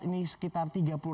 ini sekitar tiga